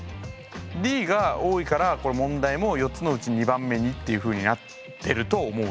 Ｄが多いからこれ問題も４つのうち２番目にっていうふうになってると思うんです。